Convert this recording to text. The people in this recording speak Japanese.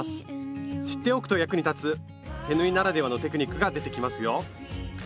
知っておくと役に立つ手縫いならではのテクニックが出てきますよ！